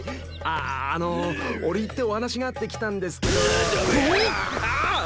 ああの折り入ってお話があって来たんですけどぉ。